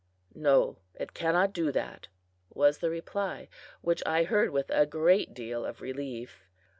"No, it cannot do that," was the reply, which I heard with a great deal of relief.